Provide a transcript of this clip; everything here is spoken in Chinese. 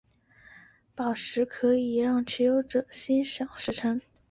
泪之宝石可以让持有者心想事成。